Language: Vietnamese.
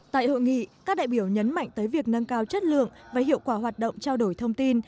tại hội nghị các đại biểu nhấn mạnh tới việc nâng cao chất lượng và hiệu quả hoạt động trao đổi thông tin